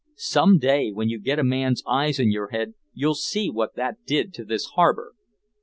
Some day when you get a man's eyes in your head you'll see what that did to this harbor!"